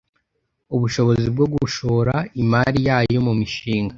ubushobozi bwo gushora imari yayo mu mishinga